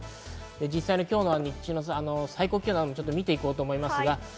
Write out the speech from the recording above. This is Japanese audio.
実際、今日の日中の最高気温を見て行こうと思います。